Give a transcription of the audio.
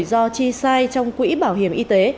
do chi sai trong quỹ bảo hiểm y tế